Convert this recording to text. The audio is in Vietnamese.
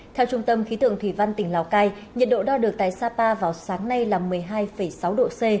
theo trung tâm khí tượng thủy văn tỉnh lào cai nhiệt độ đo được tại sapa vào sáng nay là một mươi hai sáu độ c